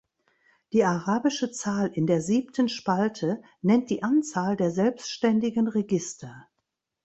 Die arabische Zahl in der siebten Spalte nennt die Anzahl der selbstständigen Register.